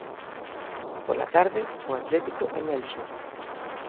Pola tarde, o Atlético en Elxe.